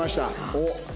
おっ。